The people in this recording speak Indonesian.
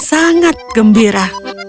alen sangat gembira